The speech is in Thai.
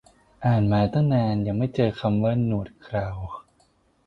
อ่านมาตั้งนาน ยังไม่เจอคำว่าหนวดเครา